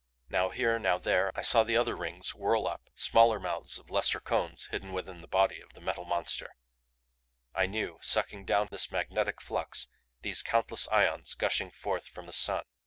Now here, now there, I saw the other rings whirl up smaller mouths of lesser cones hidden within the body of the Metal Monster, I knew, sucking down this magnetic flux, these countless ions gushing forth from the sun.